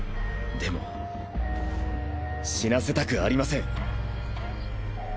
でも死なせたくありません。